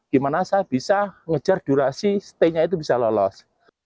gimana saya bisa ngejar durasi stay nya itu bisa lolos